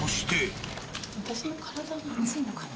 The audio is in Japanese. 私の体が熱いのかな。